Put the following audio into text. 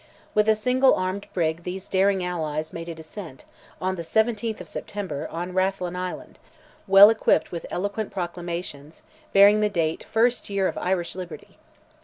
With a single armed brig these daring allies made a descent, on the 17th of September, on Rathlin Island, well equipped with eloquent proclamations, bearing the date "first year of Irish liberty."